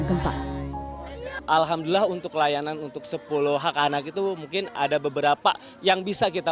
tempat alhamdulillah untuk layanan untuk sepuluh hak anak itu mungkin ada beberapa yang bisa kita